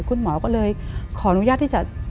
คุณหมอก็เลยขออนุญาตที่จะ